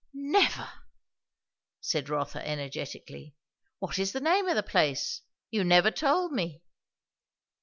"Never!" said Rotha energetically. "What is the name of the place? you never told me."